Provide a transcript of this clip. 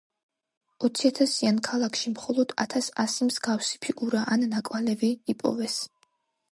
ოციათასიან ქალაქში მხოლოდ ათას ასი მსგავსი ფიგურა ან ნაკვალევი იპოვეს.